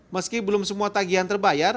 meski belum semua tagihan terbayar